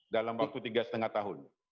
dalam waktu tiga lima tahun